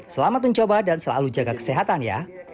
selamat mencoba dan selalu jaga kesehatan ya